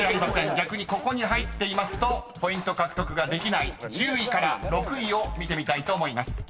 逆にここに入っていますとポイント獲得ができない１０位から６位を見てみたいと思います。